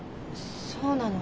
そうなの？